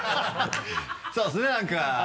そうですね何か。